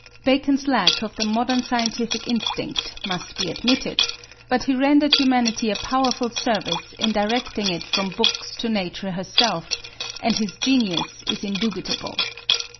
Bacon's lack of the modern scientific instinct must be admitted, but he rendered humanity a powerful service in directing it from books to nature herself, and his genius is indubitable.